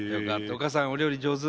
お母さんお料理上手？